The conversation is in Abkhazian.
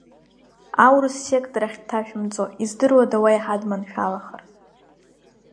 Аурыс сектор ахь дҭашәымҵо, издыруада уа еиҳа дманшәалахар?